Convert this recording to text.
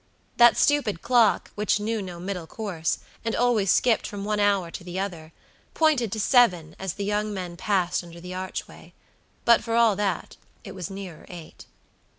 That stupid clock, which knew no middle course, and always skipped from one hour to the other, pointed to seven as the young men passed under the archway; but, for all that, it was nearer eight.